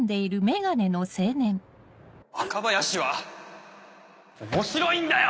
若林は面白いんだよ！